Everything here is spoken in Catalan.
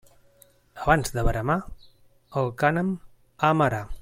Abans de veremar, el cànem a amarar.